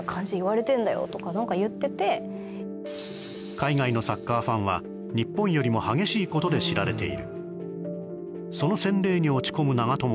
海外のサッカーファンは日本よりも激しいことで知られている。